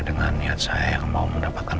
dengan niat saya yang mau mendapatkan